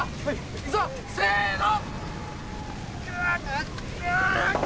いくぞせの！